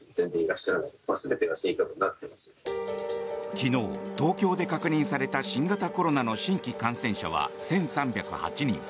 昨日、東京で確認された新型コロナの新規感染者は１３０８人。